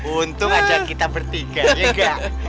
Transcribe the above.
untung aja kita bertiga ya ga